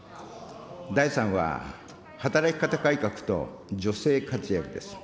第３は、働き方改革と女性活躍です。